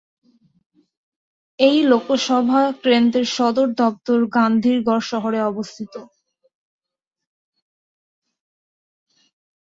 এই লোকসভা কেন্দ্রের সদর দফতর গান্ধীনগর শহরে অবস্থিত।